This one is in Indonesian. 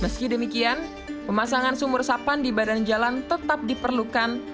meski demikian pemasangan sumur sapan di badan jalan tetap diperlukan